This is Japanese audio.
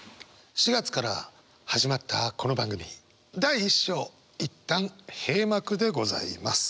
４月から始まったこの番組第一章一旦閉幕でございます。